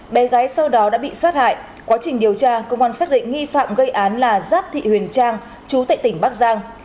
bé gái sau đó đã bị sát hại quá trình điều tra công an xác định nghi phạm gây án là giáp thị huyền trang chú tại tỉnh bắc giang